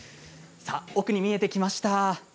奥に見えてきました。